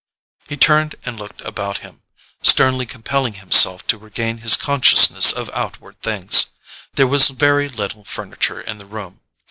He turned and looked about him, sternly compelling himself to regain his consciousness of outward things. There was very little furniture in the room.